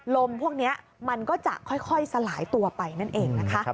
พวกนี้มันก็จะค่อยสลายตัวไปนั่นเองนะคะ